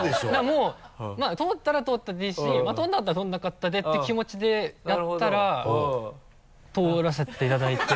もう通ったら通ったでいいし通らなかったら通らなかったでていう気持ちでやったら通らせていただいて。